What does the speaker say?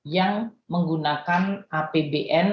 yang menggunakan apbn